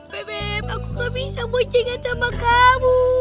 bebem aku gak bisa bocengan sama kamu